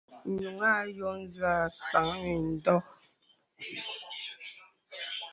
Ǹyùŋ à yɔ zə sàŋ à mìndɔ̀.